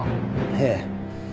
ええ。